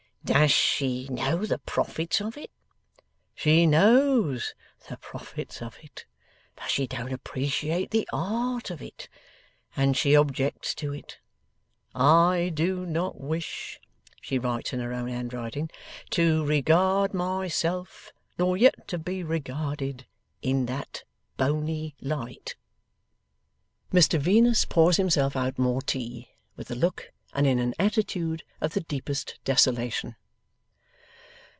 'Does she know the profits of it?' 'She knows the profits of it, but she don't appreciate the art of it, and she objects to it. "I do not wish," she writes in her own handwriting, "to regard myself, nor yet to be regarded, in that boney light".' Mr Venus pours himself out more tea, with a look and in an attitude of the deepest desolation.